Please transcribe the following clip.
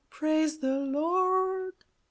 Praise the Lord !